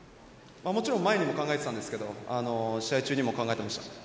もちろん前にも考えていたんですが試合中にも考えていました。